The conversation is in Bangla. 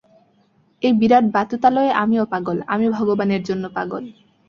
এই বিরাট বাতুতালয়ে আমিও পাগল, আমি ভগবানের জন্য পাগল।